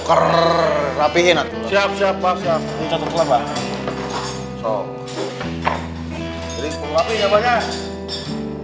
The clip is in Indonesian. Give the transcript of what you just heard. jadi rapi ya pak